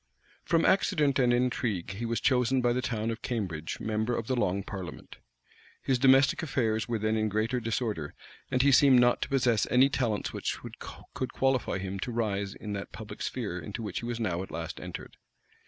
From accident and intrigue he was chosen by the town of Cambridge member of the long parliament. His domestic affairs were then in greater disorder; and he seemed not to possess any talents which could qualify him to rise in that public sphere into which he was now at last entered.